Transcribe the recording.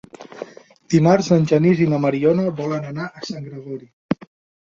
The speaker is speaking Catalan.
Dimarts en Genís i na Mariona volen anar a Sant Gregori.